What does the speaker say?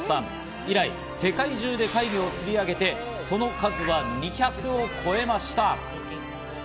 以来、世界中で怪魚を釣り上げて、その数は２００を超えました。